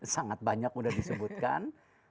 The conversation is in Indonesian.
sangat banyak udah disebutkan